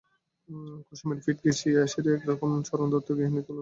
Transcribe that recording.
কুসুমের পিঠ ঘেষিয়া সে একরকম চরণ দত্তের গৃহিণীর কোলের উপরেই বসিয়া পড়িল।